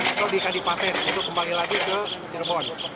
atau di kandipaten itu kembali lagi ke cirebon